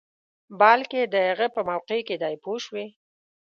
بلکې د هغه په موقع کې دی پوه شوې!.